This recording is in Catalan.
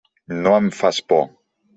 No em fas por.